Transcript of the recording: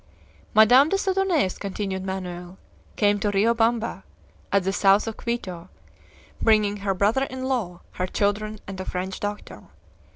"Madame des Odonais," continued Manoel, "came to Rio Bamba, at the south of Quito, bringing her brother in law, her children, and a French doctor.